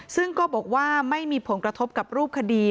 ซึ่งก็บอกว่าไม่มีผลกระทบกับรูปคดี